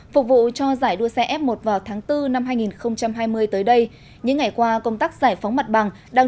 phục vụ cho giải đua xe f một vào tháng bốn năm hai nghìn hai mươi tới đây những ngày qua công tác giải phóng mặt bằng đang